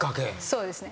そうですね。